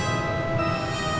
hah nggak ada aja boy